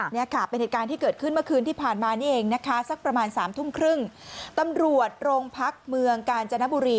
นี้ค่ะเป็นเหตุการณ์ที่เกิดขึ้นเมื่อคืนที่ผ่านมานี่เองซักประมาณ๓๓๐ตำร่วดรงพักเมืองกาญจนบุรี